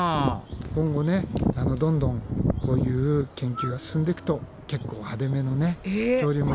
今後どんどんこういう研究が進んでいくと結構派手めの恐竜もいるかもしれないよね。